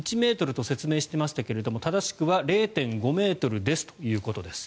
１ｍと説明していましたが正しくは０．５ｍですということです。